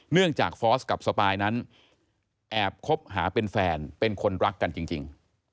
เนื่องจากฟอร์สกับสปายนั้นแอบคบหาเป็นแฟนเป็นคนรักกันจริง